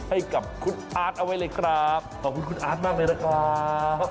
ให้กับคุณอาร์ตเอาไว้เลยครับขอบคุณคุณอาร์ตมากเลยนะครับ